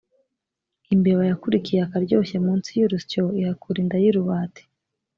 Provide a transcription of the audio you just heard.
Imbeba yakurikiye akaryoshye munsi y’urusyo ihakura inda y’urubati.